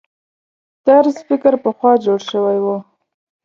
طرز فکر پخوا جوړ شوي وو.